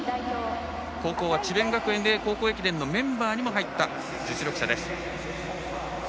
高校は智弁学園で高校駅伝のメンバーに入ったことがある実力者です。